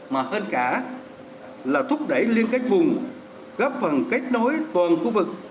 mà hơn cả là thúc đẩy liên kết vùng góp phần kết nối toàn khu vực